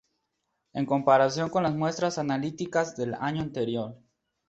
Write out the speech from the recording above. En comparación con a las muestras analíticas del año anterior